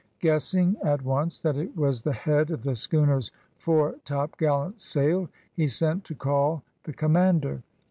Guessing at once, that it was the head of the schooner's fore topgallant sail, he sent to call the commander.